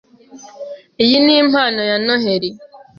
Iyi ni impano ya Noheri.